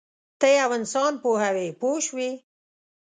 ته یو انسان پوهوې پوه شوې!.